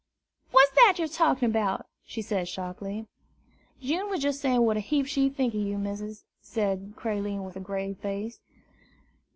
"What's that you're talking about?" she said sharply. "June was jes' sayin' what a heap she tink ob you, missus," said Creline with a grave face.